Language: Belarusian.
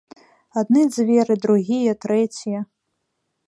Адны дзверы, другія, трэція.